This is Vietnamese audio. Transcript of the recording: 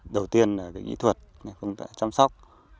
đầu tiên là kỹ thuật cũng là chăm sóc